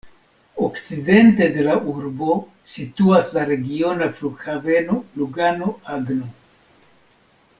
Okcidente de la urbo situas la regiona Flughaveno Lugano-Agno.